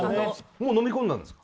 もう飲み込んだんですか？